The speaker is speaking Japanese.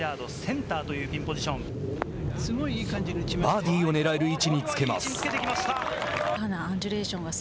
バーディーをねらえる位置につけます。